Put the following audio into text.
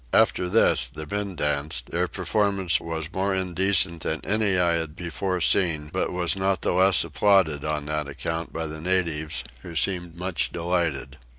After this the men danced: their performance was more indecent than any I had before seen, but was not the less applauded on that account by the natives, who seemed much delighted.